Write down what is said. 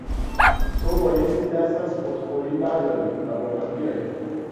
تو بایستی دست از خودخوری برداری و با من بیایی.